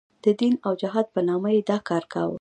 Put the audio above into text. د دین او جهاد په نامه یې دا کار کاوه.